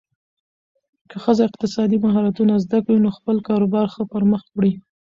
که ښځه اقتصادي مهارتونه زده کړي، نو خپل کاروبار ښه پرمخ وړي.